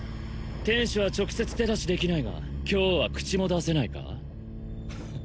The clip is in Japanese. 天使は直接手出しできないが今日は口も出せないか？